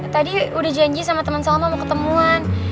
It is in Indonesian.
tadi udah janji sama teman sama mau ketemuan